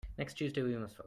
Next Tuesday we must vote.